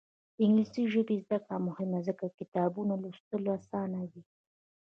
د انګلیسي ژبې زده کړه مهمه ده ځکه چې کتابونه لوستل اسانوي.